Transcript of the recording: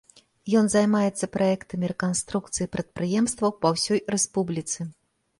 Ён займаецца праектамі рэканструкцыі прадпрыемстваў па ўсёй рэспубліцы.